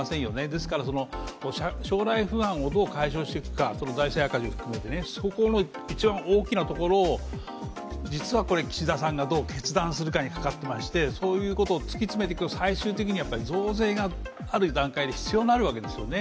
ですから将来不安をどう解消していくか、財政赤字を含めて、そこの一番大きなところを実は岸田さんがどう決断するかにかかっていましてそういうことを突き詰めていくと最終的には増税がある段階で必要になるわけですよね。